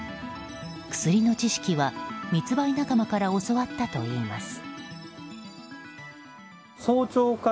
薬の知識は密売仲間から教わったといいます。